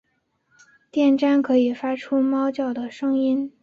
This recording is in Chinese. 电鲇可以发出猫叫的声音。